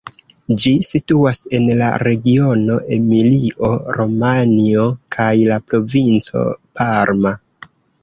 Ĝi situas en la regiono Emilio-Romanjo kaj la provinco Parma.